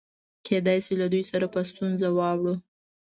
کېدای شي له دوی سره په ستونزه واوړو.